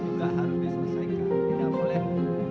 sudah harus bisa saya ikat tidak boleh